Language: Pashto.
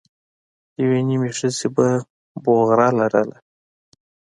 يوې نيمې ښځې به برقه لرله.